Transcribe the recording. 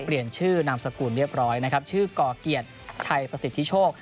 เปลี่ยนชื่อนามสกุลเรียบร้อยนะครับชื่อก่อเกียรติชัยประสิทธิโชค